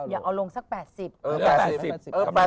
อย่าเอาลงสัก๘๐บาท